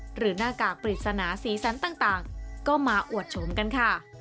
หน้ากากปริศนาสีสันต่างก็มาอวดชมกันค่ะ